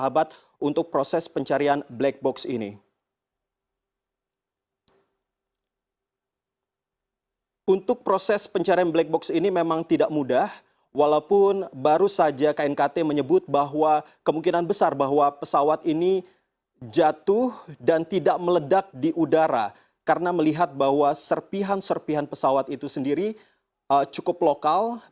berita terkini mengenai pencarian black box